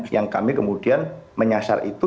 yang kami kemudian menyasar itu